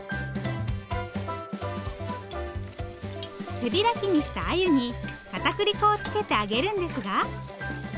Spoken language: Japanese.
背開きにしたアユにかたくり粉をつけて揚げるんですが。